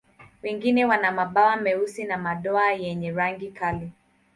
Wengine wana mabawa meusi na madoa wenye rangi kali.